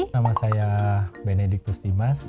nama saya benediktus dimas